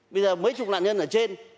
bây giờ mấy chục lạ nhân ở trên